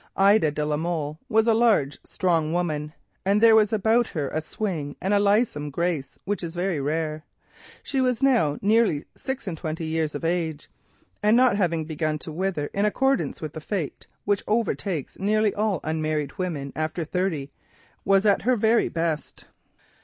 Ida de la Molle was a large, strong woman, and there was about her a swing and a lissom grace which is very rare, and as attractive as it is rare. She was now nearly six and twenty years of age, and not having begun to wither in accordance with the fate which overtakes all unmarried women after thirty, was at her very best.